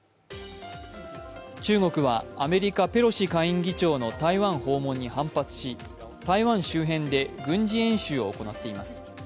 中国はアメリカ・ペロシ下院議長の台湾訪問に反発し台湾周辺で軍事演習を行っています。